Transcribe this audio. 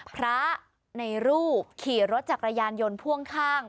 พระในรูปขี่รถจักรยานยนต์พ่วงข้าง